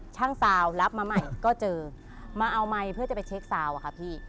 ซาวรับมาใหม่ก็เจอมาเอาไมค์เพื่อจะไปเช็คซาวอะค่ะพี่